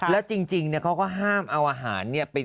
และจริงเนี่ยเขาก็ห้ามเอาอาหารเนี่ย